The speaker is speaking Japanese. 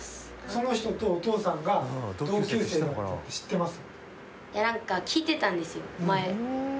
その人とお父さんが同級生っていうのは知ってます？